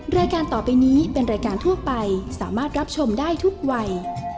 รายการต่อไปนี้เป็นรายการทั่วไปสามารถรับชมได้ทุกวัย